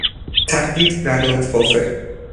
تهدید در لفافه